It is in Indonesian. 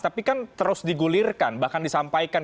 tapi kan terus digulirkan bahkan disampaikan